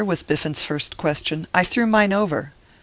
was Biffen's first question. 'I threw mine over.